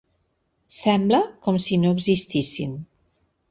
Sembla com si no existissin.